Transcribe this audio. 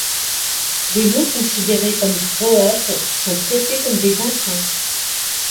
Les mots considérés comme croates sont traités comme des emprunts.